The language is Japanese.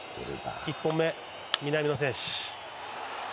１本目、南野選手。